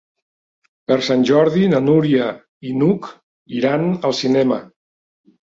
Per Sant Jordi na Núria i n'Hug iran al cinema.